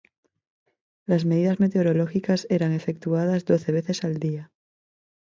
Las medidas meteorológicas eran efectuadas doce veces al día.